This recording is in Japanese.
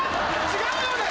違うよね